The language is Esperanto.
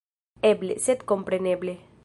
Eble, sed kompreneble.